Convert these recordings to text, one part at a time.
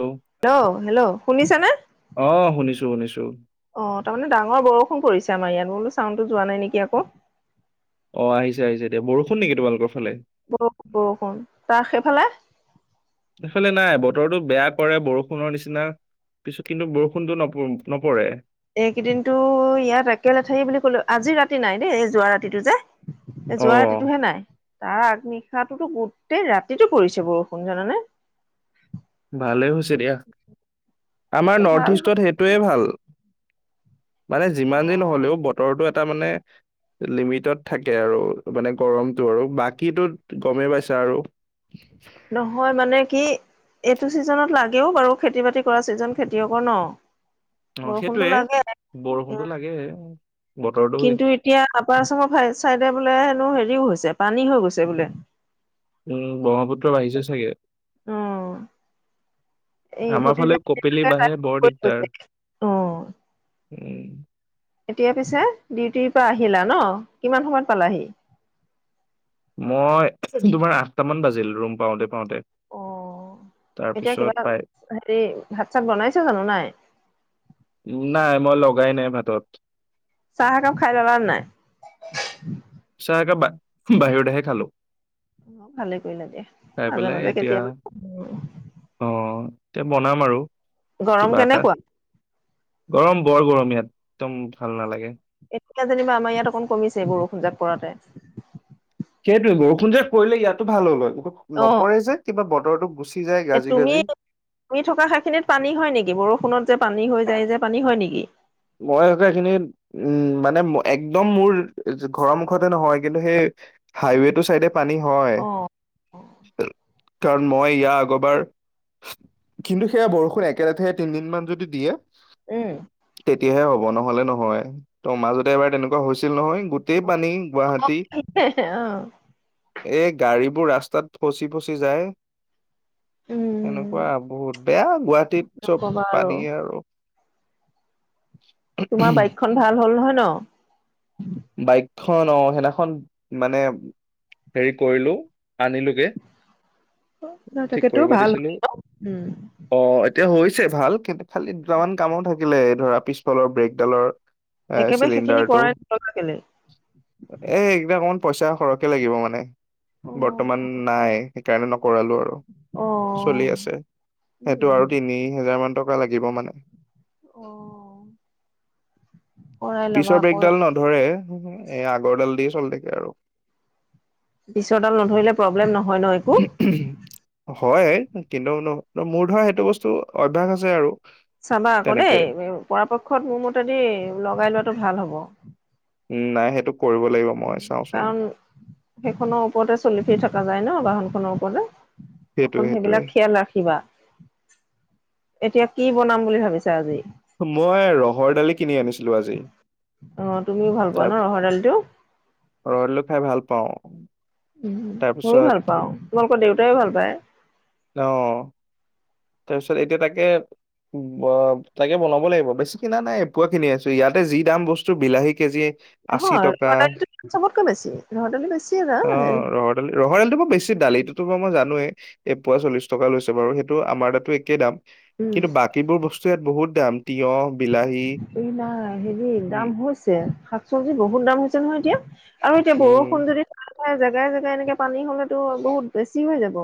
অ hello hello শুনিছা নে? শুনিছো শুনিছো অ তাৰমানে ডাঙৰ বৰষুণ পৰিছে। আমাৰ ইয়াত বোলো চাউণ্ডটো যোৱা নাই নেকি আকৌ অ আহিছে আহিছে এতিয়া বৰষুণ নেকি তোমালোকৰ? ফালে বৰ বৰষুণ তাৰ সেইফালে? এইফালে নাই বতৰটো বেয়া কৰে বৰষুণৰ নিচিনা পিছ কিন্তু বৰষুণতো নপ নপৰে এইকেইদিনো ইয়াত একেলেথাৰি বুলি কলো আজি ৰাতি নাই দেই যোৱা ৰাতিটো যে এ অ যোৱা ৰাতিটোহে নাই তাৰ আগনিশাটোতো গোটেই ৰাতিটো পৰিছে বৰষুণ জানানে ভালেই হৈছে দিয়া। আমাৰ ভাল নৰ্থ হ'ল। ইষ্টত সেইটোৱে ভাল। মানে যিমান দিন হ'লেও বতৰটো এটা মানে লিমিটত থাকে। আৰু মানে গৰমতটো আৰু বাকীটো গমেই পাইছা আৰু নহয় মানে কি। এইটো ছিজনত লাগেও বাৰু খেতি বাতি কৰা ছিজন খেতিয়কৰ ন। অ বৰষুণতো সেইটোয়ে লাগে বৰষুণতটো লাগে। বতৰটো কিন্তু এতিয়া আপাৰ আচামৰাই চাইডে বোলে হেনো হেৰিও হৈছে পানী হৈ গৈছে বোলে। উম ব্ৰহ্মপুত্ৰ বাঢ়িছে চাগে। অ' এই আমাৰ ভতিজা ফালেও কপিলি বাঁহে বৰ ফোন কৈছে। দিগদাৰ। অ উম এতিয়া পিছে ডিউটিৰ পৰা আহিলা ন কিমান সময়ত পালাহি। মই তোমাৰ আঠটামান বাজিল ৰুম পাওঁতে-পাওঁতে। অ এতিয়া কিবা এটা হেৰি ভাত চাত বনাইছা জানো নাই। নাই মই লগাই নাই ভাতত। চাহ একাপ খাই ললা নাই। চাহ একাপ বাহিৰতেহে খালোঁ। ভালে কৰিলা দিয়া খাই পেলাই মাজে-মাজে এতিয়া কেতিয়াবা। অ এতিয়া বনাম আৰু। গৰম কিবা এটা কেনেকুৱা। গৰম বৰ গৰম ইয়াত একদম ভাল নালাগে। এতিয়া যেনিবা আমাৰ ইয়াত অকণ কমিছে বৰষুণ জাক পৰোঁতে। সেইটোৱে বৰষুণ যেত পৰিলে ইয়াতো ভাল হ'ল হয়। অ নপৰে যে কিবা বতৰটো গুচি যায় গাজি-গাজি। শুই থকা ঠাইখিনিত পানী হয়। নেকি বৰষুণত যে পানী হৈ যায় যে পানী হয় নেকি। মই আকৌ এইখিনিত উম মানে মই। একদম মোৰ ঘৰৰ মুখতে নহয় কিন্তু সেই হাইৱে টো চাইডে। পানী হয় অ কাৰণ মই ইয়াৰ আগৰবাৰ। কিন্তু সেয়া বৰষুণ একে লেথাৰি তিনদিন মান যদি দিয়ে। উম তেতিয়াহে হব নহলে নহয় ত মাজতে এবাৰ তেনেকুৱা হৈছিল নহয়। গোটেই অ পানী গুৱাহাটীত। এই গাড়ী বোৰ ৰাস্তাত ফচি ফচি যায়। উম এনেকুৱা বহুত বেয়া গুৱাহাটীত চব পানী আৰু। তোমাৰ বাইকখনন ভাল হ'ল নহয় ন। বাইকখন অ সেইদিনাখন মানে। হেৰি কৰিলোঁ আনিলোঁগে। ন ঠিক তাকেতো কৰিব ভাল দিছিঁলো উম, অ। এতিয়া হৈছে ভাল কিন্তু খালি দুটামান কামো থাকিলে এই ধৰা পিছফালৰ ব্ৰেকডালৰ। এ একেবাৰে সেইখিনি চিলিণ্ডাৰটো। কৰাই নলবা কেলে। এ এইবাৰ অকমান পইচা সৰহকে লাগিব মানে। অ', বৰ্তমান নাই সেইকাৰণে ন। কৰালো আৰু চলি উম, আছে সেইটো আৰু উম। তিনি হোজাৰ মান টকা লাগিব মানে। অ', কৰাই ল'বা পিছৰ আকৌ ব্ৰেগডাল নধৰে। এ আগৰডাল দি চলি থাকে আৰু। পিছৰডাল নধৰিলে প্ৰব্লেম নহয় ন একো। হয় কিন্তু ন মোৰ ধৰা সেইটো বস্তু অভ্যাস আছে আৰু। চাবা আকৌ তেনেকে দেই পৰাপক্ষত মোৰ মতেদি লগাই লোৱাাতটো ভাল হব। উম নাই সেইটো। কৰিব লাগিব মই চাওচোন কাৰণ সেইখনৰ ওপৰতে চলি ফিৰি থকা যায় ন বাহনখনৰ ওপৰতে। সেইটোৱে অকন সেইটোৱে সেইবিলাক সিয়াল ৰাখিবা এতিয়া। কি বনাম বুলি ভাবিছা আজি মই ৰহৰ দালি কিনি আনিছিলো আজি অ', তুমিও ভাল পোৱা ন তাৰপিছ ৰহৰ দালিটো? ৰহৰ দাইল খাই ভাল পাওঁ উ ময়ো তাৰপিছত ভাল পাওঁ তোমালোকৰ দেউতাই ভাল পায় অ তাৰপিছত এতিয়া তাকে ব তাকে বনাব লাগিব বেছি কিনা নাই পুৱোৱা খিনি আছো ইয়াতে যি দাম বস্তু বিলাহী কেজি আশী নহয় টকা ৰহৰ দাইলটো চবতকৈ বেছি, ৰহৰ দাইলটো বেছিয়ে দাম আহ হেৰি ৰহৰ দালি ৰহৰ দালিটো মই বেছি দালিটো টো মইানোৱেই এই পুৱা চল্লিশ টকা লৈছে বাৰু সেইটো আমাৰ দাতো একেই দাম উম, কিন্তু বাকীবোৰ বস্তু ইয়াত বহুত দাম তিয়হ বিলাহী এই নাই হেৰি উ দাম হৈছে, শাক চব্জি বহুত দাম হৈছে নহয় এতিয়া আৰু এতিয়া বৰষুণ উম যদি জেগাই জেগাই এনেকে পানী হলেতো বহুত বেছি হৈ যাব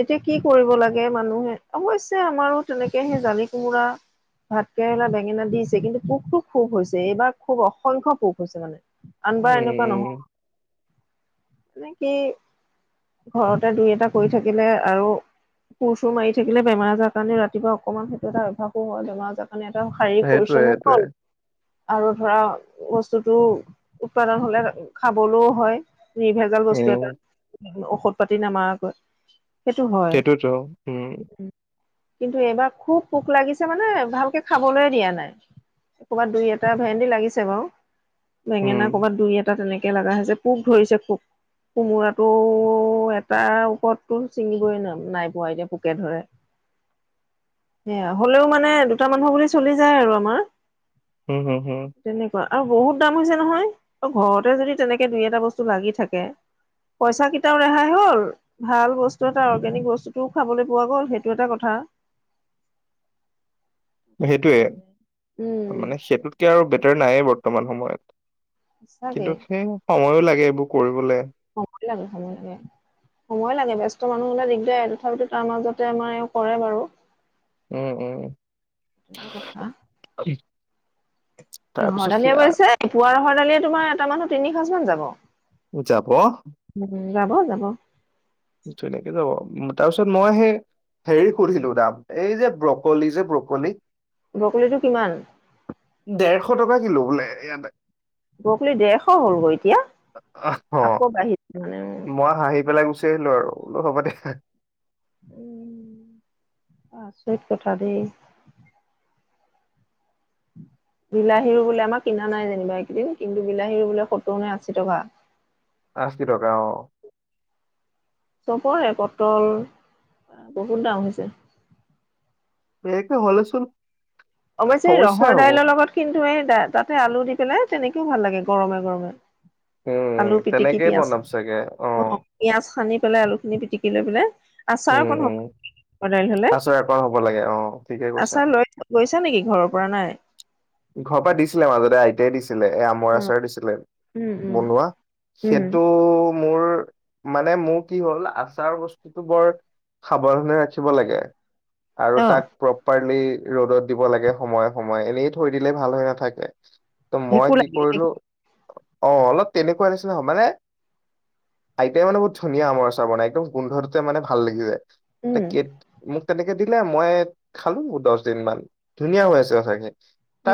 এতিয়া কি কৰিব লাগে মানুহে অৱশ্যে আমাৰো তেনেকে সেই জালি কোমোৰা ভাত কেৰেলা বেঙেনা দিছে কিন্তু পোকটো খুব হৈছে, এইবাৰ খুব অসংখ্য পোক হৈছে মানে। অনবাৰ এনেকুৱা নহয়, উম মানে কি ঘৰতে দুই এটা কৰি থাকিলে আৰু কুৰ চুৰ মাৰি থাকিলে বেমাৰ আজাৰ কাৰণে ৰাতিপুৱা অকণমান সেইটো এটা অভ্যাসো হয় বেমাৰ মানে এটা শাৰী সেইটোৱে পৰিশ্ৰমো সেইটোৱে হল। আৰু ধৰা বস্তুটো উৎপাদন হলে খাবলৈও হয়। নিৰ্ভেজাল বস্তু এটা উম ঔষধ পাতি নামাৰাকৈ। সেইটো হয় উম, কিন্তু এইবাৰ খুব পোক লাগিছে মানে ভাল খাবলৈয় দিয়া নাই কৰবাত দুই এটা ভেন্দি লাগিছে বাৰু বেঙেনা উম কৰ'বাত দুই এটা তেনেকে লগা হৈছে পোক ধৰিছে পোক কোমোৰাটো এটাৰ ওপৰততো ছিঙিবই ন নাই পোৱা এতিয়া পোকে ধৰে সেয়া হ'লেও মানে দুটা মানুহ বুলি চলি যায় আৰু আমাৰ হম হম হম তেনেকুৱা আৰু বহুত দাম হৈছে নহয় ঘৰতে যদি তেনেকে দুই এটা বস্তু লাগি থাকে পইচা কেইটাও ৰেহাই হ'ল ভাল বস্তু এটা অৰ্গেনিক বস্তুটোও খাবলৈ পোৱা গ'ল সেইটো এটা কথা [inaudible] সেইটোৱে উম মানে সেইটোতকে আৰু বেটাৰ নাই বৰ্তমান সময়ত সঁচাকে কিন্তু সেই সময়ো লাগে এইবোৰ কৰিবলৈ। সময় লাগে সময় লাগে। সময় লাগে বস্ত মানুহ হ'লে দিগদাৰ তথাপিতো তাৰ মাজতে আমাৰ এও কৰে বাৰু। উম উম। তেনেকুৱা কথা ৰহৰ তাৰপিছত দালিয়ে সেয়া গৈছে, এপুৱা ৰহৰ দালিয়ে তোমাৰ এটা মানৰ তিনি সাজ মান যাব। উ যাব। উম যাব যাব। ধুনীয়াকে যাব, তাৰ পিছত মই হেই হেৰি সুধিলো দাম এই যে ব্ৰকলি যে ব্ৰকলি। বকলিটো কিমান? দেৰশ টকা কিলো বোলে ইয়াতে। বৰকলি ডৰশ হ'ল গৈ এতিয়া, অ', আকৌ বাঢ়ি মই হাঁহি পেলাই গুচি আহিলো আৰু বোলো হ'ব দেহ। উম, আচৰিত কথা দেই। উম বিলাহীৰো বোলে আমাৰ কিনা নাই যেনিবা এইকেইদিন কিন্তু বিলাহীৰো বোলে ফটোও নাই আশী টকা। আশি টকা অ'। চবৰে পটল, আ বহুত দাম হৈছে। একে হলে চোন অৱশ্যে ৰহৰ দাইলৰ লগত কিন্তু এই তাতে আলু দি পেলাই তেনেকেও ভাল লাগে গৰমে গৰমে। উম, আলু পিটিকি তেনেকেই পিয়াজ বনাম চাগে অ' পিয়াজ সানি পেল আলুখিনি পিটিকি লৈ পেলে, আচাৰ উম, অকণ হ উম, সদাই ললে, আচাৰ অকণ হ'ব লাগে অ', ঠিকে কৈছা। আছাৰ লৈ লৈছা নেকি ঘৰৰ পৰা নাই? ঘৰ পৰা দিছিলে মাজতে আইতাই দিছিলে দিলে এ আমৰ অ আচাৰ দিছিলে উম উম বনোৱা, উম সেইটু মোৰ মানে মোৰ কি হ'ল আচাৰ বস্তুটু বৰ সাৱধানে ৰাখিব লাগে। আৰু অ তাক প্ৰপাৰলি ৰ'দত দিব লাগে সময়ে সময়ে এনেই থৈ দিলে ভাল হৈ নাথাকে। ত' মই ভেঁকুৰ কি লাগিল কৰিলু অ' অলপ তেনেকুৱা নিচিনা হ মানে আইতাই মানে বহুত ধুনীয়া আমৰ আচাৰ বনাই একদম গোন্ধটোৱে মানে ভাল লাগি যায়। উম পেকেট মুগ তেনেকে দিলে মই খালু দচ দিন মান, ধুনীয়া হৈ আছে আচাৰখিনি।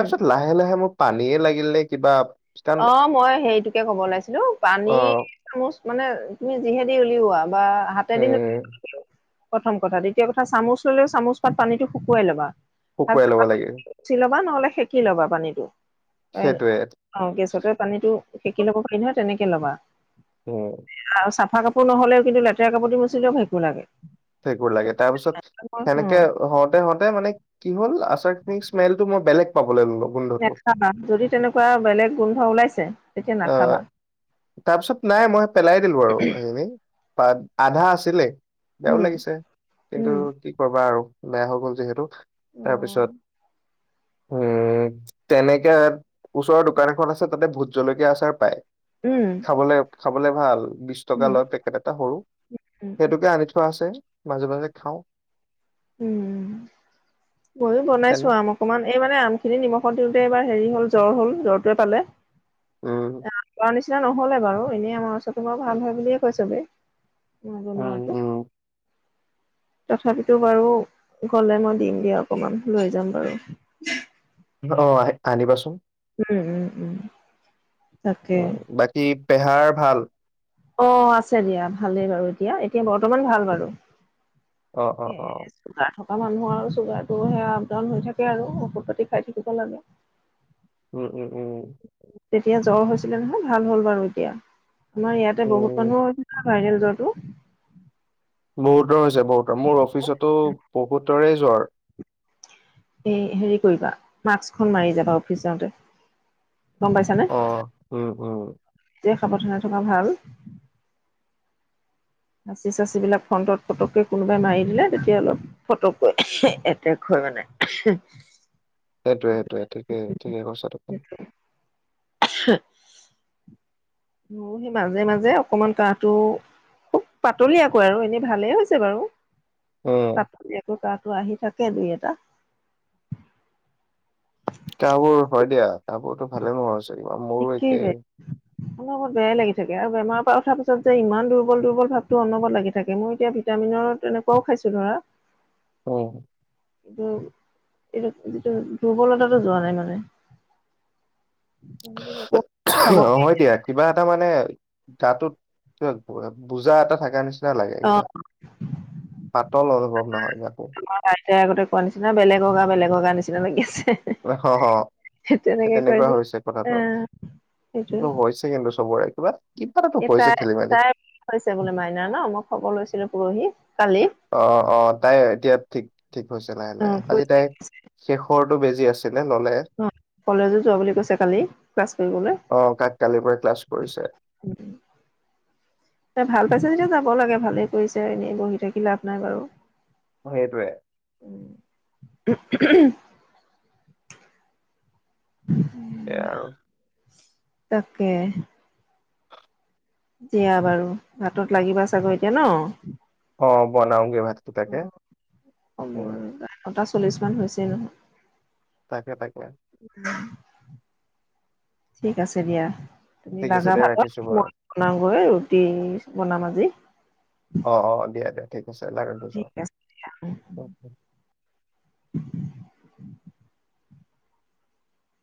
উম। লাহে লাহে মোক পানীয়ে লাগিল লে কিবা কাৰণ অ' মই সেইটুকে কব ওলাইছিলো অ পানী চামুচ মানে তুমি যিহেদি উলিওৱা বা হাতেদি উলা উম প্ৰথম কথা দ্বিতীয় কথা চামুচ ললে চামুচ পাত পানীটো শুকুৱাই লবা শুকুৱাই ল'ব লাগিল ভাচি লবা নহ'লে সেকি লবা পানীটো এ সেইটোৱে। অ গেছতে পানীটু সেকি লব পাৰি নহয় তেনেকে ল'বা। উম্প [unintelligible] আৰু চাফা কাপোৰ নহ'লে কিন্তু লেতেৰা কাপোৰ দি মুচিলেও ভেকু লাগে। ভেকুৰ লাগে তাৰ পিছত উম সেনেকে হওঁতে হওঁতে মানে কি হ'ল আচাৰ খিনি স্মেলটো মই বেলেগ পাবলৈ ললো গোন্ধটো। নাখাবা যদি তেনেকুৱা বেলেগ গোন্ধ ওলাইছে তেতিয়া নাখাবা। তাৰ পিছত নাই মই পেলাই দিলো আৰু সেইখিনি, আধা আছিলে বেয়াও উম লাগিছে কিন্তু উম কি কৰবা আৰু বেয়া হৈ গল যিহেতু। অ তাৰপিছত উম, তেনেকে ওচৰত দোকান এখন আছে তাতে ভূত জলকীয়া আচাৰ পায়। উম খাবলে খাবলে ভাল, বিশ টকা উম লয় পেকেট এটা সৰু, উম সেইটোকে আনি থ থোৱা আছে মাজে মাজে খাওঁ। উম ময়ো বনাইছু তেনে আম অকমান এই মানে আম খিনি নিমখত দিওঁতে এইবাৰ হেৰি হ'ল জ্বৰ হ'ল জ্বৰটুৱে পালে। উম ইটা নহলে বাৰু এনেই আমাৰ ওচৰটো বৰ ভাল হয় বুলিয়ে কয় ছবে। মই উম, বনোৱাটো উম, তথাপিত ইটু বাৰু গ'লে মই দিম দিয়া অকমান লৈ যাম বাৰু অ' আহে আনিবাচোন। উ উ উম [unintelligible] বাকী পেহাৰ ভাল? অ' আছে দিয়া ভালে বাৰু এতিয়া এতিয়া বৰ্তমান ভাল বাৰু। অ অ হে অ চ [unintelligible] থকা মানুহ আৰু চুগাৰটো সেয় আপ ডাউন হৈ থাকে আৰু ঔষধ পাতি খাই থাকিব লাগে। উ'উ' তেতিয়া জ্বৰ হৈছিলে নহয় ভাল হ'ল বাৰু এতিয়া, আমাৰ ইয়াতে বহুত উম মানুহৰ হৈছিল। ভাইৰেল জ্বৰটো। বহুতৰ হৈছে বহুতৰ মোৰ অফিচতো বহুতৰে জ্বৰ। এ হেৰি কৰিবা মাস্কখন মাৰি যাবা অফিচ যাওঁতে। গম পাইছানে এ অ উম উম তে সাবধানে থকা ভাল। হাঁচি চাচি বিলাক ফ্ৰণ্টত ফটকে কোনোবাই মাৰি দিলে তেতিয়া অলপ ফটকৈ এট্ৰক হয়। সমানে [unintelligible] সেইটোয়ে সেইটোয়ে ঠিকে ঠিকেই কৈছা তুমি। হ [unintelligible] উ সেই মাজে মাজে অকমান কাঁহটো খুব পাতলিয়াকৈ আৰু এনে ভালেই হৈছে বাৰু উম পাতলিয়াকৈ তাত তটো আহি থাকে দুই এটা। গা বোৰ হয় দিয়া গা বোৰতো ভালে নোহোৱা হৈছে, মোৰো একেই। একেবাৰে অনবৰত বয়াই লাগি থাকে, বেমাৰৰ পৰা উঠাৰ পিছত যে ইমান দুৰ্বল দুৰ্বল ভাৱটো অনবৰত লাগি থাকে, মই এতিয়া ভিটা মিনৰ তেনেকুৱাও খাইছো ধৰা। অ' কিন্তু এইটো যটো দুৰ্বলতাটো যোৱা নাই মানে। কোনোদিন একো খাব হয় দিয়া, কিবা এটা মানে তাতো কিবা বুজা এটা থকা নিচিনা লাগে কিবা। পাতল অনুভৱ নহয় গাটো আমাৰ আইট আগতে কোৱা নিচিনা বেলেগৰ গা বেলেগৰ গা নিচিনা না লাগি আছে। হ সেই তেনেকে কয় তেনেকুৱা যে হৈছে অ কথাটো। এই হৈছে কিন্তু চবৰে কিবা কিবা এটাতো ই হৈছে তাই খেলি মেলি তাই হৈছে বোলে মাইনা ন মই খবৰ লৈছিলো পৰহি কালি অ অ তাই এতিয়া ঠিক ঠিক হৈছে নাহ অ নাই আজি কৈছে তাই শেষৰ বেজি আছে অ কলেজো যোৱা বুলি কৈছে কালি ক্লাছ কৰিবলৈ অ কাক কালিৰ পৰা ক্লাছ কৰিছে ত ভাল পাইছ যেতিয়া য হব লাগে ভালেই কৰিছে এনেই বহি থাকি লাভ নাই বাৰু অ' সেইটোৱে। [unintelligible] উম [unintelligible] সেইয়াই আৰু। তাকে। দিয়া বাৰু, ভাতত লাগিবা চাগৈ এতিয়া ন। অ' বনাওঁগে ভাত। এটা চল্লিশ মান হৈছেই নহয় তাকে তাকে ঠিক আছে দিয়া তুমি ঠিক আছে লাগা দে ভাতত ৰাখিছো বাৰু মই বনাওগৈ ৰুটি বনাম আজি অ অ ছে লাগে তজোৱা ঠিক আছে দিয়া [inaudible]